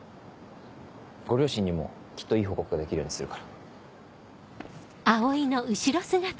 ご両親にもきっといい報告ができるようにするから。